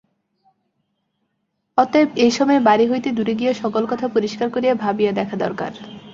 অতএব এ সময়ে বাড়ি হইতে দূরে গিয়া সকল কথা পরিষ্কার করিয়া ভাবিয়া দেখা দরকার।